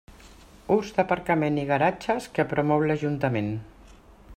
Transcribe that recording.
Ús d'aparcament i garatges que promou l'Ajuntament.